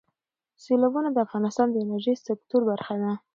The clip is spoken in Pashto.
سیلابونه د افغانستان د انرژۍ سکتور برخه ده.